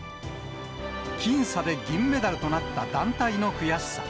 僅差で銀メダルとなった団体の悔しさ。